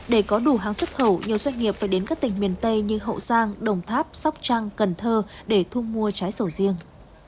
để có đủ hàng xuất khẩu nhiều doanh nghiệp phải đến các tỉnh miền tây như hậu giang đồng tháp sóc trăng cần thơ để thu mua trái sầu riêng